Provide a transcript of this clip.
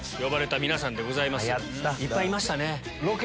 いっぱいいましたね。